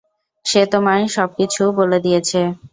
সে তোমায় সবকিছু বলে দিয়েছে।